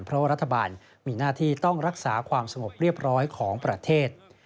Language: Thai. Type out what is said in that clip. เพราะว่ารัฐบาลมีหน้าที่ต้องรักษาความสงบเรียบร้อยของประเทศ